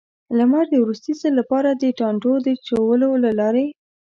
لمر د وروستي ځل لپاره، د ټانټو د چولو له لارې.